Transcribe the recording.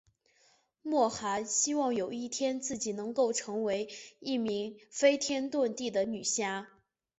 莫涵希望有一天自己能够成为一名飞天遁地的女侠。